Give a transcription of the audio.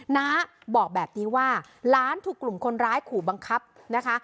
น้าบอกแบบนี้ว่าหลานถูกกลุ่มคนร้ายขู่บังคับนะคะ